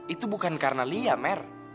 itu bukan karena lia mer